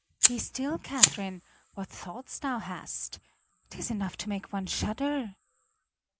"Be still, Catherine. What thoughts thou hast! 'Tis enough to make one shudder."